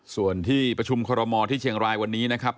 ส่วนที่ประชุมคอรมอลที่เชียงรายวันนี้นะครับ